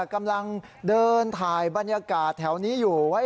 กำลังเดินถ่ายบรรยากาศแถวนี้อยู่ไว้